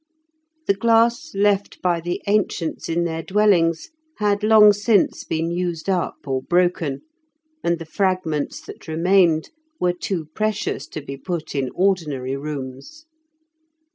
The glass left by the ancients in their dwellings had long since been used up or broken, and the fragments that remained were too precious to be put in ordinary rooms.